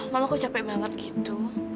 mama kok capek banget gitu